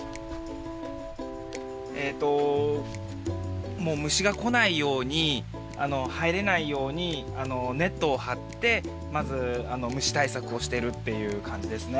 えともうむしがこないようにはいれないようにネットをはってまずむしたいさくをしてるっていうかんじですね。